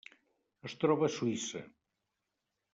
Es troba a Suïssa.